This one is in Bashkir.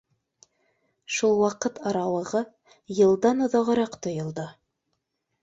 Шул ваҡыт арауығы йылдан оҙағыраҡ тойолдо.